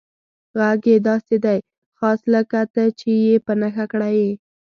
غږ یې داسې دی، خاص لکه ته چې یې په نښه کړی یې.